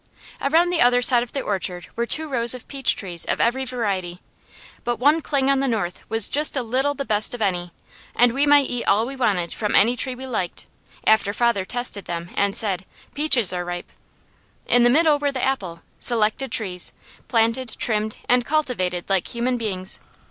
Around the other sides of the orchard were two rows of peach trees of every variety; but one cling on the north was just a little the best of any, and we might eat all we wanted from any tree we liked, after father tested them and said: "Peaches are ripe!" In the middle were the apple; selected trees, planted, trimmed, and cultivated like human beings.